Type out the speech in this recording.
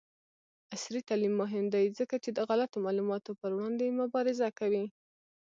عصري تعلیم مهم دی ځکه چې د غلطو معلوماتو پر وړاندې مبارزه کوي.